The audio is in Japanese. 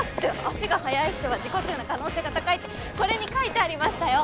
足が速い人は自己中な可能性が高いってこれに書いてありましたよ！